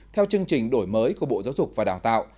theo chương trình đổi mới của bộ giáo dục và đào tạo